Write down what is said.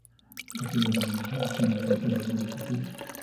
La sede de la misma se sitúa en Montealegre del Castillo.